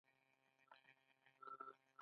خاشرود سیند چیرته ختمیږي؟